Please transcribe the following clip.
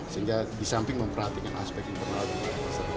sehingga di samping memperhatikan aspek internal juga